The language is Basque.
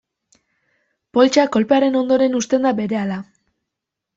Poltsa kolpearen ondoren husten da berehala.